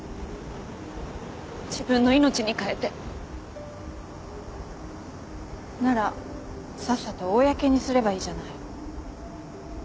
自分の命に代えて。ならさっさと公にすればいいじゃない。